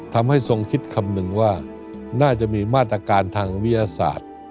ทรงคิดคำหนึ่งว่าน่าจะมีมาตรการทางวิทยาศาสตร์